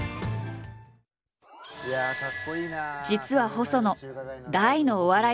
実は細野大のお笑い好き。